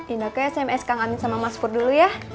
indah ke sms kang amin sama mas pur dulu ya